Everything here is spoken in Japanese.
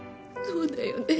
そうだよね。